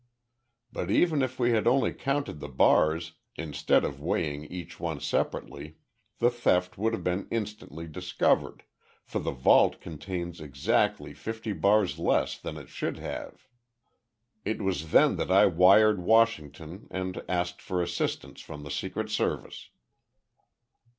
"But even if we had only counted the bars, instead of weighing each one separately, the theft would have been instantly discovered, for the vault contained exactly fifty bars less than it should have. It was then that I wired Washington and asked for assistance from the Secret Service."